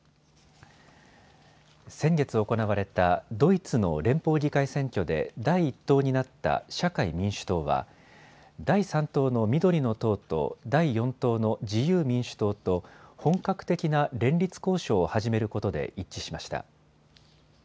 先月行われたドイツの連邦議会選挙で第１党になった社会民主党は第３党の緑の党と第４党の自由民主党と本格的な連立交渉を始めることで一致しました。